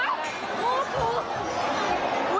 อุ้ยเละแน่เลย